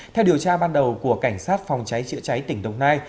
theo điều tra ban đầu của cảnh sát phòng cháy chữa cháy tỉnh đồng nai